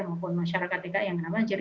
maupun masyarakat dki yang kena banjir